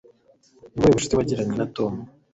Ni ubuhe bucuti wagiranye na Tom?